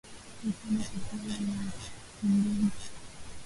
Uhusiano kati yao ni wa kindugu